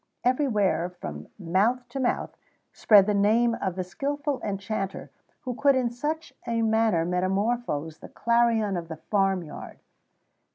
Everywhere, from mouth to mouth, spread the name of the skilful enchanter, who could in such a manner metamorphose the clarion of the farm yard.